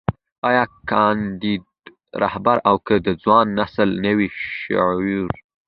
ايا کانديد رهبري او که د ځوان نسل نوی شعور.